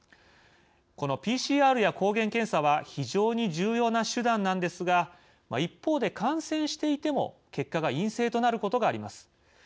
このＰＣＲや抗原検査は非常に重要な手段なんですが一方で感染していても結果が陰性となることがあります。